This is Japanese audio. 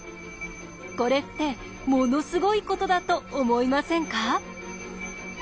これってものすごいことだと思いませんか？